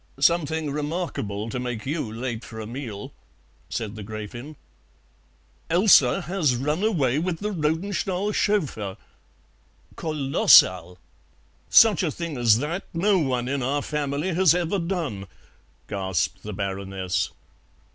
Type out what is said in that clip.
"Something remarkable, to make you late for a meal," said the Gräfin. "Elsa has run away with the Rodenstahls' chauffeur!" "Kolossal!" "Such a thing as that no one in our family has ever done," gasped the Baroness.